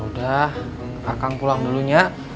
yaudah akang pulang dulu nya